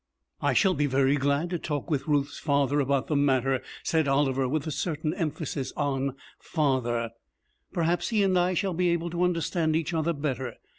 'I shall be very glad to talk with Ruth's father about the matter,' said Oliver with a certain emphasis on father. 'Perhaps he and I shall be able to understand each other better.